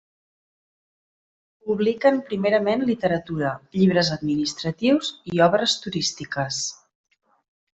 Publiquen primerament literatura, llibres administratius i obres turístiques.